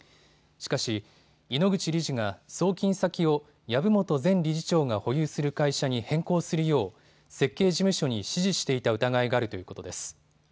しかし井ノ口理事が送金先を籔本前理事長が保有する会社に変更するよう設計事務所に指示していた疑いがあるということです。